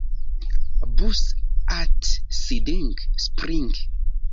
Bus at Siding Spring.